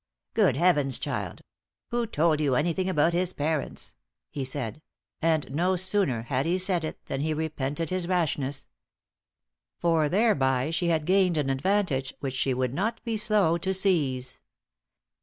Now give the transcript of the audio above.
"Good Heavens, child! Who told you anything about his parents?" he said; and no sooner had he said it than he repented his rashness. For thereby she had gained an advantage which she would not be slow to seize.